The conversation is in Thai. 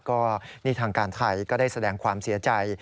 ก็นี่ทางการไทยก็ได้แสดงความเสียใจ